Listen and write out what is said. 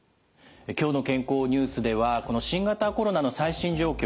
「きょうの健康ニュース」ではこの新型コロナの最新状況